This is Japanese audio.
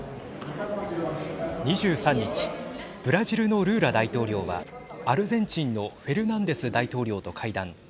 ２３日ブラジルのルーラ大統領はアルゼンチンのフェルナンデス大統領と会談。